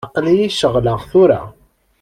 Aql-iyi ceɣleɣ tura.